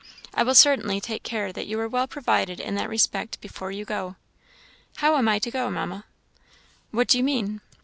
"I will certainly take care that you are well provided in that respect before you go." "How am I to go, Mamma?" "What do you mean?"